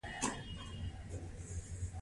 فرعي ریښې شاوخوا خپریږي